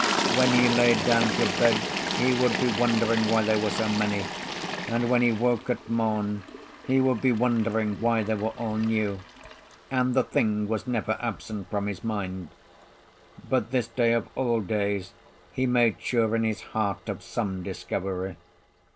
When he lay down to bed he would be wondering why they were so many, and when he woke at morn he would be wondering why they were all new; and the thing was never absent from his mind. But this day of all days he made sure in his heart of some discovery.